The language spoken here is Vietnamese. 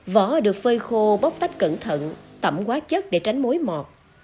vỏ được phơi khô bóc tách cẩn thận tẩm quá chất để tránh mối mọt